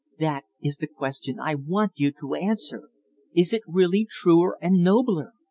That is the question I want you to answer. Is it really truer and nobler?